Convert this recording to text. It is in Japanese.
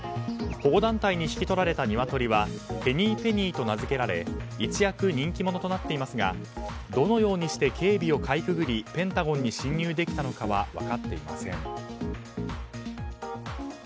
保護団体に引き取られたニワトリはヘニー・ペニーと名付けられ一躍人気者となっていますがどのようにして警備をかいくぐりペンタゴンに侵入できたのかは分かっていません。